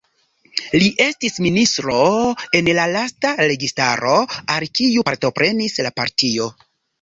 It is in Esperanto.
Li estis ministro en la lasta registaro al kiu partoprenis la partio.